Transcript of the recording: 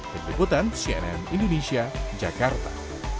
ketikutan cnn indonesia jakarta